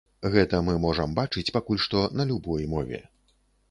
Гэта мы можам бачыць пакуль што на любой мове.